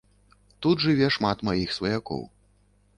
Тут жыве шмат маіх сваякоў.